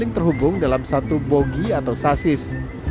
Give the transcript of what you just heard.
terhubung dalam satu bogi atau sasis